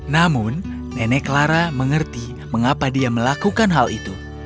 namun nenek clara mengerti mengapa dia melakukan hal itu